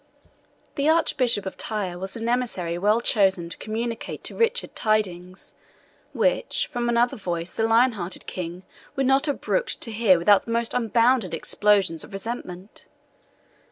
The Archbishop of Tyre was an emissary well chosen to communicate to Richard tidings, which from another voice the lion hearted King would not have brooked to hear without the most unbounded explosions of resentment.